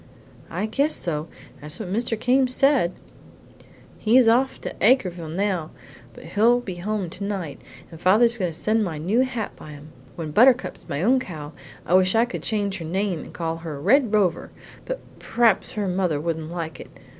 "I guess so. That's what Mr. Came said. He's off to Acreville now, but he'll be home tonight, and father's going to send my new hat by him. When Buttercup's my own cow I wish I could change her name and call her Red Rover, but p'r'aps her mother wouldn't like it.